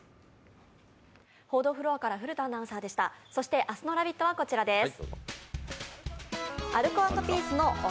そして明日の「ラヴィット！」はこちらです。